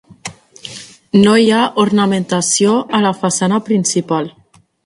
No hi ha ornamentació a la façana principal.